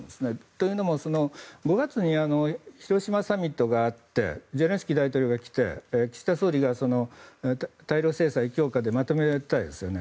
というのも５月に広島サミットがあってゼレンスキー大統領が来て岸田総理が対ロ制裁強化でまとめましたよね。